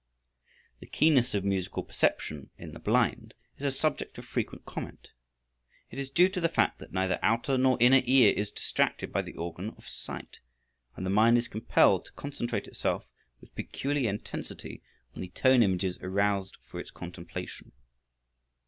The keenness of musical perception in the blind is a subject of frequent comment. It is due to the fact that neither outer nor inner ear is distracted by the organ of sight, and the mind is compelled to concentrate itself with peculiar intensity on the tone images aroused for its contemplation.